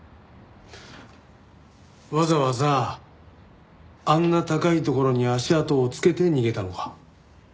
わざわざあんな高い所に足跡をつけて逃げたのか？